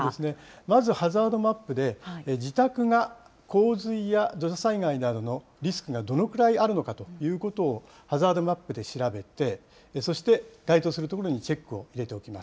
まずハザードマップで、自宅が洪水や土砂災害などのリスクがどのくらいあるのかということを、ハザードマップで調べて、そして、該当するところにチェックを入れておきます。